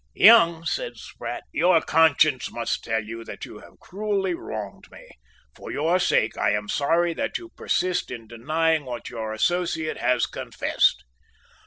"Young," said Sprat, "your conscience must tell you that you have cruelly wronged me. For your own sake I am sorry that you persist in denying what your associate has confessed."